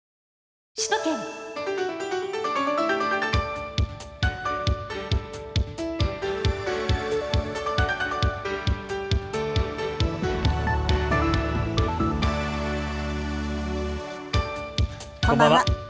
こんばんは。